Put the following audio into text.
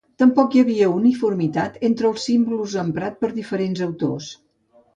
Tampoc hi havia uniformitat entre els símbols emprats per diferents autors.